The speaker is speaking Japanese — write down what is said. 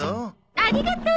ありがとう！